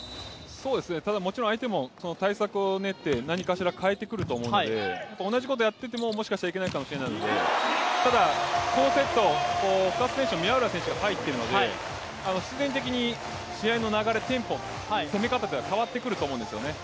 そうですね、ただもちろん相手も対策を練って何かしら変えてくると思うので、同じことやっててももしかしたらいけないと思うのでただこのセット、深津選手と宮浦選手が入っているので必然的に試合の流れ、テンポ攻め方というのは変わってくると思うんですよね。